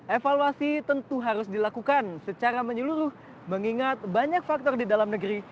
evaluasi tentu harus dilakukan secara menyeluruh mengingat banyak faktor di dalam negeri